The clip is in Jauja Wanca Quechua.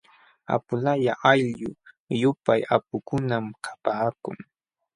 Apuqalaya ayllu llumpay apukunam kapaakun.